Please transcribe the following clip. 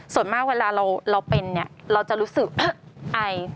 ส่วนมากเวลาเราเป็นเราจะรู้สึกอาย